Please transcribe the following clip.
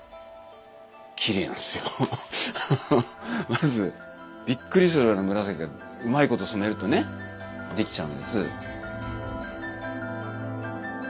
まずびっくりするような紫がうまいこと染めるとねできちゃうんです。